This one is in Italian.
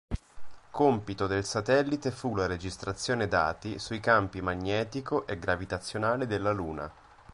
Compito del satellite fu la registrazione dati sui campi magnetico e gravitazionale della Luna.